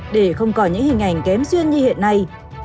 để không còn những hình ảnh kém duyên như hiện nay